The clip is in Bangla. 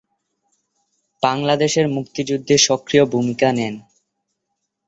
বাংলাদেশের মুক্তিযুদ্ধে সক্রিয় ভূমিকা নেন।